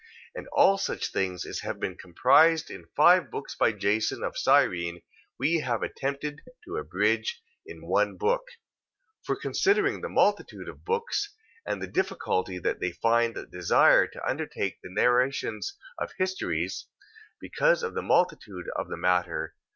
2:24. And all such things as have been comprised in five books by Jason, of Cyrene, we have attempted to abridge in one book. 2:25. For considering the multitude of books, and the difficulty that they find that desire to undertake the narrations of histories, because of the multitude of the matter, 2:26.